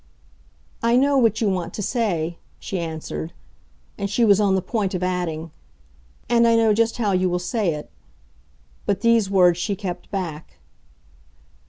"I know what you want to say," she answered. And she was on the point of adding, "And I know just how you will say it;" but these words she kept back.